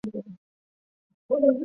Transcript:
长洲人。